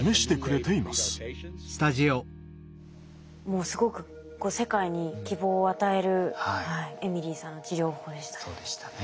もうすごく世界に希望を与えるエミリーさんの治療法でしたね。